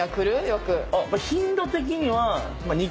頻度的には。